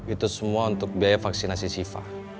itu semua untuk biaya vaksinasi sifah